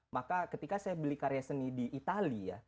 maka ketika saya beli karya seni di italia